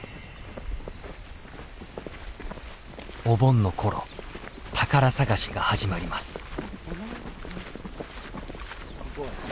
お盆の頃宝探しが始まります。